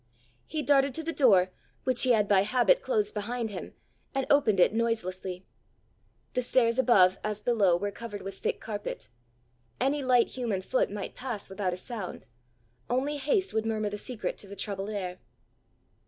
He darted to the door, which he had by habit closed behind him, and opened it noiselessly. The stairs above as below were covered with thick carpet: any light human foot might pass without a sound; only haste would murmur the secret to the troubled air.